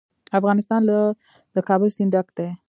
افغانستان له د کابل سیند ډک دی.